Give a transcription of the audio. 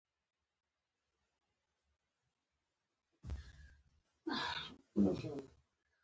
امیر له لوی دولت څخه انتظار نه درلود.